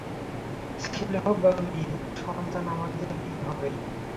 ছেলে হোক বা মেয়ে, সন্তান আমাদেরই হবে।